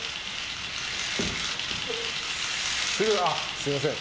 すみません。